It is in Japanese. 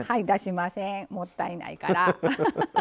出しません、もったいないから。